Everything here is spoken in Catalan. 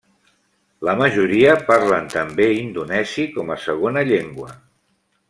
La majoria parlen també indonesi com a segona llengua.